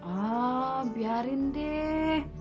ah biarin deh